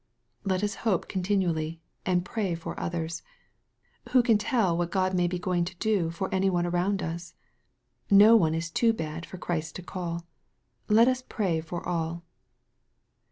Let us hope continu ally, and pray for others. Who can tell what God may be going to do for any one around us ? No one is too bad for Christ to call. Let us pray for all.